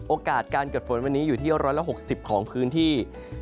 โอกาสการเกิดฝนวันนี้อยู่ที่๑๖๐ของพื้นที่